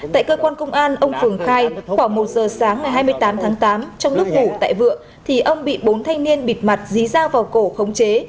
tại cơ quan công an ông phừng khai khoảng một giờ sáng ngày hai mươi tám tháng tám trong lúc ngủ tại vựa thì ông bị bốn thanh niên bịt mặt dí ra vào cổ khống chế